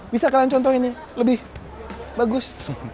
bisa kalian contohin ya lebih bagus